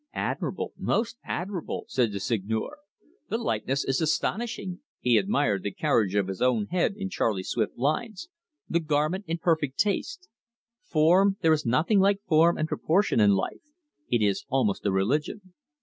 "Admirable, most admirable!" said the Seigneur. "The likeness is astonishing" he admired the carriage of his own head in Charley's swift lines "the garment in perfect taste. Form there is nothing like form and proportion in life. It is almost a religion."